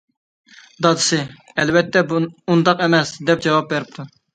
دادىسى:-ئەلۋەتتە ئۇنداق ئەمەس، -دەپ جاۋاب بېرىپتۇ.